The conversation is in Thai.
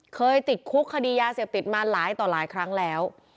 ติดคุกคดียาเสพติดมาหลายต่อหลายครั้งแล้ว